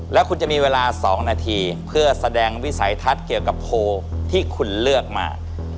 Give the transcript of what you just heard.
แล้วคุณจะมีเวลา๒นาทีเพื่อแสดงวิสัยทัศน์เกี่ยวกับโพลที่คุณเลือกมา